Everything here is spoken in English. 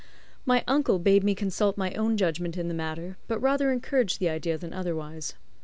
My uncle bade me consult my own judgment in the matter, but rather encouraged the idea than otherwise.